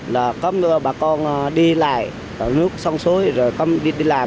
là bà con đi lại nước sông suối rồi đi làm